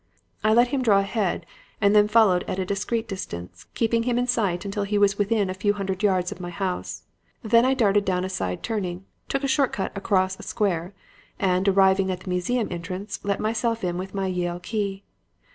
"I let him draw ahead and then followed at a discreet distance, keeping him in sight until he was within a few hundred yards of my house. Then I darted down a side turning, took a short cut across a square, and, arriving at the museum entrance, let myself in with my Yale key.